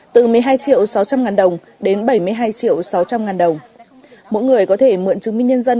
từ một mươi hai triệu sáu trăm linh ngàn đồng đến bảy mươi hai triệu sáu trăm linh ngàn đồng mỗi người có thể mượn chứng minh nhân dân